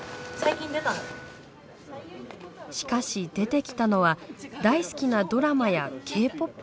しかし出てきたのは大好きなドラマやＫ−ＰＯＰの話。